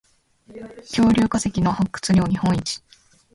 恐竜化石の発掘量日本一